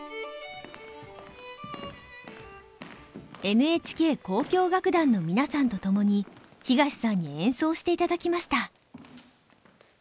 ＮＨＫ交響楽団の皆さんと共に東さんに演奏していただきました。